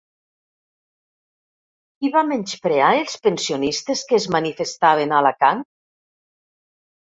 Qui va menysprear els pensionistes que es manifestaven a Alacant?